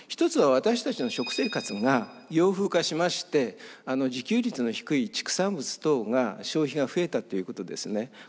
１つは私たちの食生活が洋風化しまして自給率の低い畜産物等が消費が増えたっていうことですね。